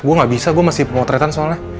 gue gabisa gue masih mau kereta soalnya